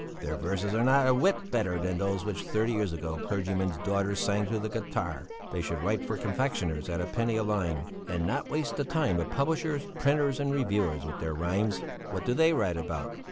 Their verses are not a whit better than those which thirty years ago clergymen's daughters sang to the guitar. They should write for confectioners at a penny a line, and not waste the time of publishers, printers, and reviewers with their rhymes. What do they write about?